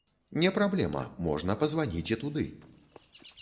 Не праблема, можна пазваніць і туды.